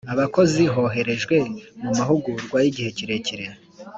Abakozi hoherejwe mu mahugurwa y igihe kirekire